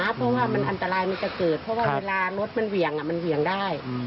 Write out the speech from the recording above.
เพราะว่ามันอันตรายมันจะเกิดเพราะว่าเวลารถมันเหวี่ยงมันเหวี่ยงได้